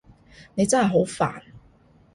你真係好煩